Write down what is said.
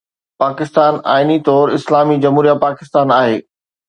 پاڪستان آئيني طور ’اسلامي جمهوريه پاڪستان‘ آهي.